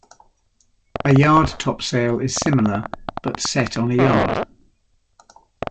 A yard topsail is similar, but set on a yard.